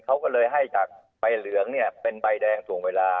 เขาก็เลยให้จากใบเหลืองเนี่ยเป็นใบแดงถ่วงเวลา